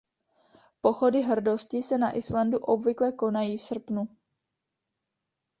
Pochody hrdosti se na Islandu obvykle konají v srpnu.